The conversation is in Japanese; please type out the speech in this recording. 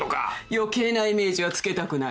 余計なイメージはつけたくない。